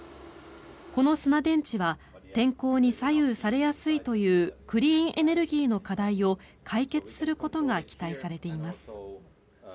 この砂電池は天候に左右されやすいというクリーンエネルギーの課題を解決することが期待されています。